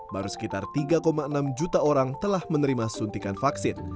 baru sekitar tiga enam juta orang telah menerima suntikan vaksin